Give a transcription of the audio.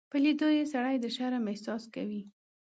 په لیدو یې سړی د شرم احساس کوي.